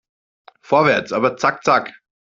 Vorwärts, aber zack zack!